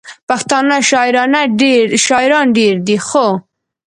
پښتانه شاعران ډېر دي، خو: